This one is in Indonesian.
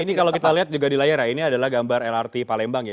ini kalau kita lihat juga di layar ya ini adalah gambar lrt palembang ya